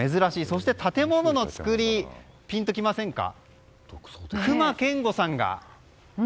そして建物の造りピンときませんか？